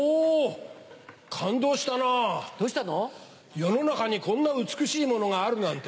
世の中にこんな美しいものがあるなんて。